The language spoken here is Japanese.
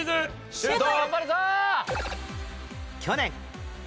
シュート！